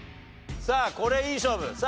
さあこれいい勝負。